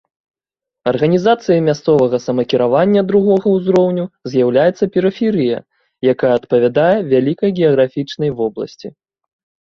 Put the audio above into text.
Арганізацыяй мясцовага самакіравання другога ўзроўню з'яўляецца перыферыя, якая адпавядае вялікай геаграфічнай вобласці.